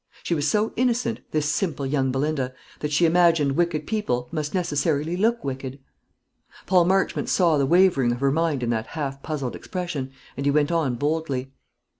She was so innocent, this simple young Belinda, that she imagined wicked people must necessarily look wicked. Paul Marchmont saw the wavering of her mind in that half puzzled expression, and he went on boldly.